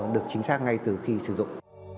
được chính xác ngay từ khi sử dụng